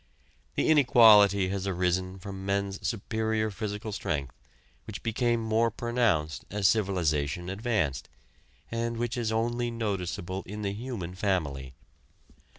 The inequality has arisen from men's superior physical strength, which became more pronounced as civilization advanced, and which is only noticeable in the human family.